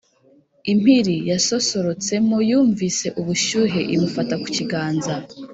impiri yasosorotsemo yumvise ubushyuhe imufata ku kiganza